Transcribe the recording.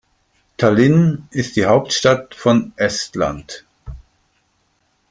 Tallinn ist die Hauptstadt von Estland.